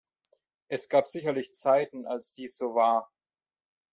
Es gab sicherlich Zeiten, als dies so war.